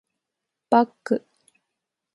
バック